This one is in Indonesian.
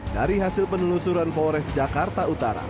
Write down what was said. dari hasil penelusuran polres jakarta utara